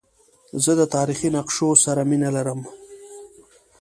زه د تاریخي نقشو سره مینه لرم.